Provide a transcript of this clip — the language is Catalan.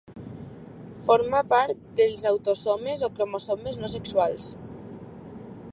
Forma part dels autosomes o cromosomes no sexuals.